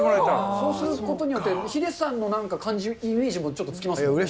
そうすることによってヒデさんのイメージもちょっとつきますね。